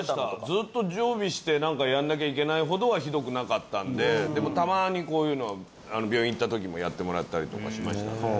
ずっと常備してやんなきゃいけないほどはひどくなかったんででもたまにこういうのは病院行った時もやってもらったりとかしましたね